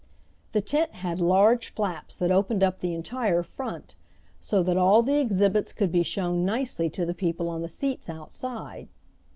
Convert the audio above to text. The tent had large flaps that opened up the entire front, so that all the exhibits could be shown nicely to the people on the seats out side.